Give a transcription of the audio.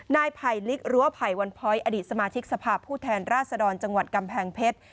นายไผ่ลิกรั้วไผ่วันพ้อยอดีตสมาชิกสภาพผู้แทนราชดรจังหวัดกำแพงเพชร